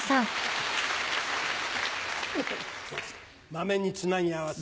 まめにつなぎ合わせて。